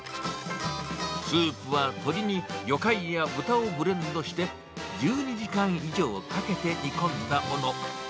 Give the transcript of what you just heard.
スープは鶏に魚介や豚をブレンドして、１２時間以上かけて煮込んだもの。